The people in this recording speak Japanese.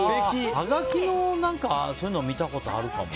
はがきの、そういうの見たことあるかも。